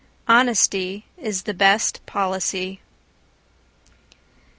Honesty is the best policy.